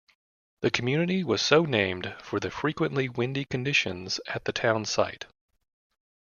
The community was so named for the frequently windy conditions at the town site.